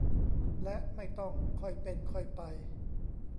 และไม่ต้อง "ค่อยเป็นค่อยไป"